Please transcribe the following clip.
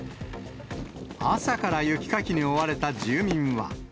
朝から雪かきに追われた住民は。